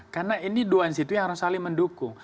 karena ini dua institusi yang harus saling mendukung